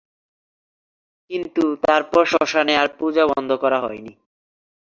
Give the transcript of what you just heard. কিন্তু তারপর শ্মশানে আর পূজা বন্ধ করা হয়নি।